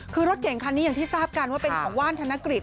คือรถเก่งคันนี้อย่างที่ทราบกันว่าเป็นของว่านธนกฤษ